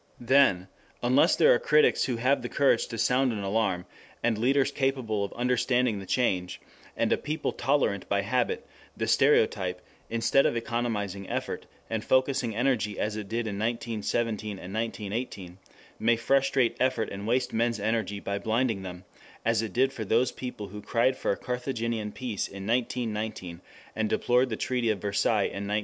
Then unless there are critics who have the courage to sound an alarm, and leaders capable of understanding the change, and a people tolerant by habit, the stereotype, instead of economizing effort, and focussing energy as it did in 1917 and 1918, may frustrate effort and waste men's energy by blinding them, as it did for those people who cried for a Carthaginian peace in 1919 and deplored the Treaty of Versailles in 1921.